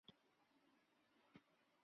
跟我们确认要去那站